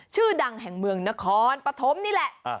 ชื่อดังแห่งเมืองนครปฐมนี่แหละ